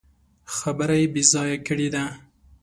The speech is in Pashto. خبره يې بې ځايه کړې ده.